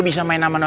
oh silahkan panino